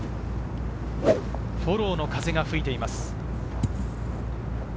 フォローの風が吹いています。